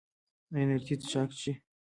ایا انرژي څښاک څښئ؟